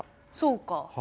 そうか。